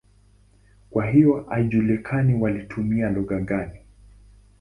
Kwa hiyo haijulikani walitumia lugha gani.